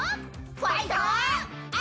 ファイトお！